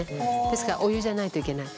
ですからお湯じゃないといけない。